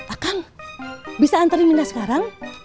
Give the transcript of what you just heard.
akang bisa anterin minah sekarang